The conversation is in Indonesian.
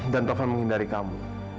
dan taufan menghindari kamu